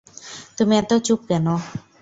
তুমি এত চুপ কেন?